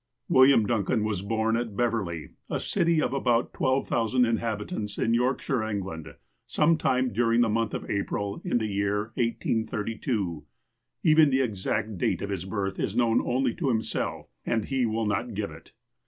William Duncan was born at Beverley, a city of about 12,000 inhabitants, in Yorkshire, England, some time duriug the month of April in the year 1832. Even the exact date of his birth is known only to himself, and he will not give it.